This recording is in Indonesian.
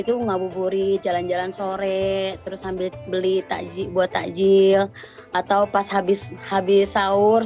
itu ngabuburit jalan jalan sore terus sambil beli takji buat takjil atau pas habis habis sahur